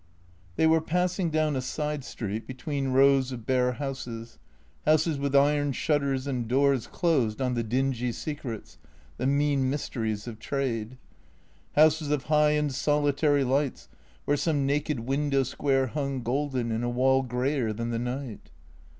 " They were passing down a side street, between rows of bare houses, houses with iron shutters and doors closed on the dingy secrets, the mean mysteries of trade ; houses of high and solitary lights where some naked window square hung golden in a wall greyer than the night.